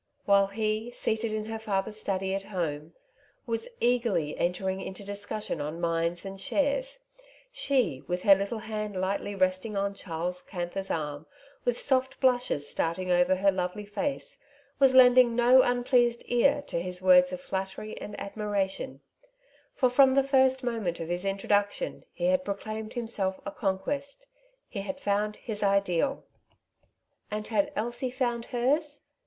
While he, seated in her father's study at home, was eagerly Wealth versus Poverty, 107 entering into discussion on mines and shares, she, with her little hand lightly resting on Charles Canthor^s arm, with soft blushes starting over her lovely face, was lending no unpleased ear to his words of flattery and admiration ; for from the first moment of his introduction he had proclaimed him self a conquest — he had found his ideal. And had Elsie found hers